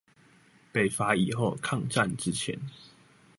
北伐以後，抗戰之前